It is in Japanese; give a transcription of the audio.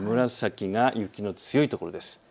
紫が雪の強いところです。